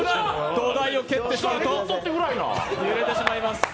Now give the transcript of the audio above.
土台を蹴ってしまうと揺れてしまいます。